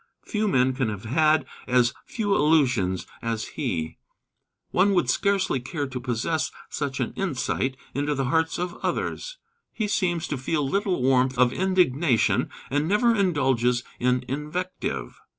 Few men can have had as few illusions as he. One would scarcely care to possess such an insight into the hearts of others. He seems to feel little warmth of indignation, and never indulges in invective.